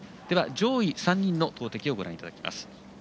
上位３人の投てきをご覧いただきます。